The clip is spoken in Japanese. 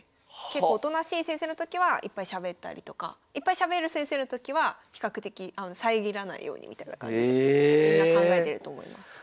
結構おとなしい先生のときはいっぱいしゃべったりとかいっぱいしゃべる先生のときは比較的遮らないようにみたいな感じでみんな考えてると思います。